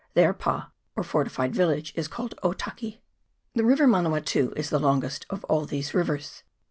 Their pa, or fortified village, is called Otaki. The river Manawatu is the longest of all these rivers.